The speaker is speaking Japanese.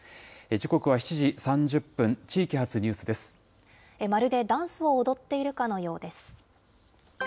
時刻は７時３０分、地域発ニューまるでダンスを踊っているかのようです。